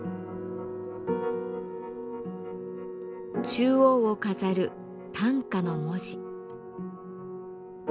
中央を飾る「短歌」の文字。